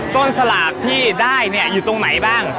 ต้นสลากที่ได้อยู่ตรงไหนบ้าง